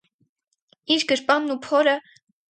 - Իր գրպանն ու փորը…